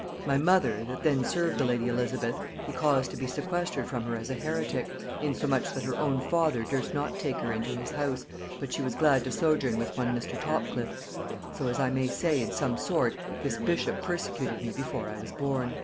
My mother, that then served the lady Elizabeth, he caused to be sequestered from her as an heretic, insomuch that her own father durst not take her into his house, but she was glad to sojourn with one Mr. Topcliff; so as I may say in some sort, this bishop persecuted me before I was born."